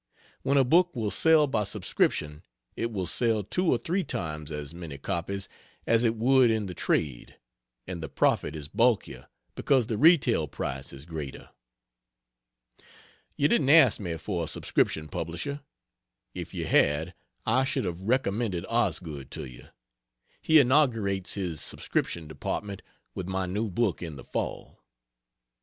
When a book will sell by subscription, it will sell two or three times as many copies as it would in the trade; and the profit is bulkier because the retail price is greater..... You didn't ask me for a subscription publisher. If you had, I should have recommended Osgood to you. He inaugurates his subscription department with my new book in the fall.....